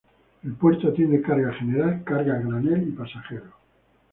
El puerto atiende carga general, carga a granel y pasajeros.